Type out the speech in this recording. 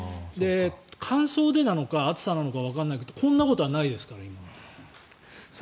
乾燥でなのか暑さでなのかわからないけどこんなことはないですから今まで。